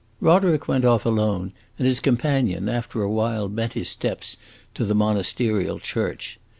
Roderick went off alone, and his companion after a while bent his steps to the monasterial church.